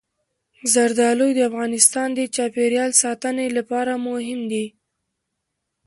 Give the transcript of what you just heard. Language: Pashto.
زردالو د افغانستان د چاپیریال ساتنې لپاره مهم دي.